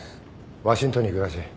ワシントンに行くらしい。